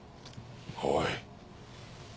おい。